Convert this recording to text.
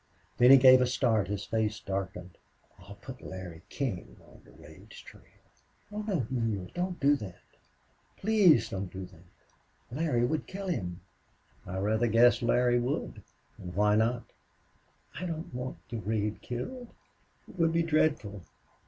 Then he gave a start; his face darkened. "I'll put Larry King on Durade's trail." "Oh no, Neale! Don't do that! Please don't do that! Larry would kill him." "I rather guess Larry would. And why not?" "I don't want Durade killed. It would be dreadful.